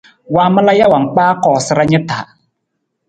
Waamala jawang kpaa koosara ni ta.